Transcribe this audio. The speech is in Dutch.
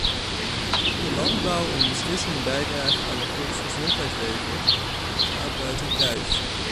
Dat de landbouw een beslissende bijdrage aan de volksgezondheid levert, staat buiten kijf.